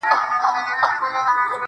• هغه خو دا خبري پټي ساتي.